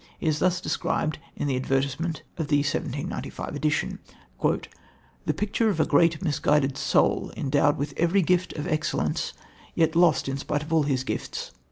He is thus described in the advertisement of the 1795 edition: "The picture of a great, misguided soul, endowed with every gift of excellence, yet lost in spite of all its gifts.